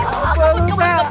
ngobot jangan coba